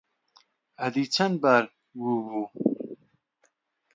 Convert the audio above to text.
ئەدی چەند بار گوو بوو؟